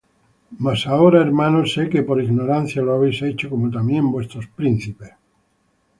Mas ahora, hermanos, sé que por ignorancia lo habéis hecho, como también vuestros príncipes.